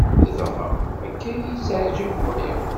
Dɣa akka ay iyi-yettaɛjab waya.